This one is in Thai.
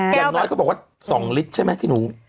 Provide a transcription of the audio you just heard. อย่างน้อยเขาบอกว่า๒ลิตรใช่ไหมที่หนู